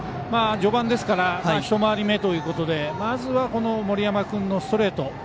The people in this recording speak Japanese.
序盤ですから一回り目ということでまず森山君のストレート